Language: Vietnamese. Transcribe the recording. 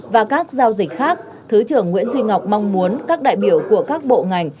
và các giao dịch khác thứ trưởng nguyễn duy ngọc mong muốn các đại biểu của các bộ ngành